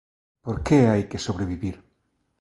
Por que hai que sobrevivir?